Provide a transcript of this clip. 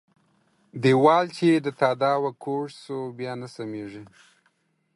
ديوال چې د تاداوه کوږ سو ، بيا نه سمېږي.